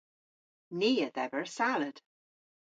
Ni a dheber salad.